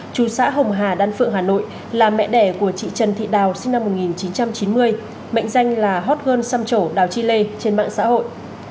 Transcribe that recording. chú xã hồng hà đan phượng hà nội là mẹ đẻ của chị trần thị đào sinh năm một nghìn chín trăm chín mươi mệnh danh là hot girl xăm trổ đào chi lê trên mạng xã hội